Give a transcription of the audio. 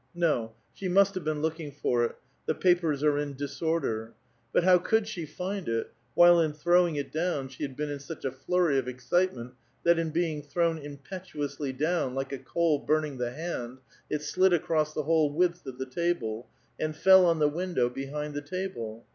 No, she must have been looking for it ; the papers are in disorder. But how could she find it, while in throwing it down she had been in such a flurry of excite ment that, in being thrown impetuously down, like a coal burning the hand, it slid across the whole width of the table, and fell on the window behind the table